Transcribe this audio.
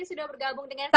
sudah bergabung dengan saya